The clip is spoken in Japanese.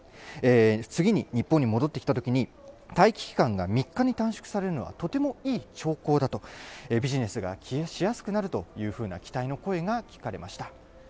次に日本に戻ってきたときに、待機期間が３日に短縮されるのはとてもいい兆候だと、ビジネスがしやすくなるというふうな期待の声が聞かれました。